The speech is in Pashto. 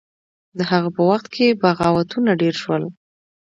د هغه په وخت کې بغاوتونه ډیر شول.